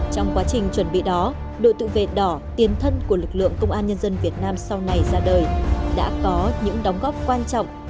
trong quá trình chuẩn bị đó đội tự vệ đỏ tiền thân của lực lượng công an nhân dân việt nam sau này ra đời đã có những đóng góp quan trọng